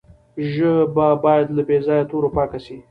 ژبه باید له بې ځایه تورو پاکه سي.